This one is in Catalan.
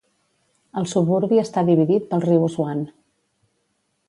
El suburbi està dividit pel riu Swan.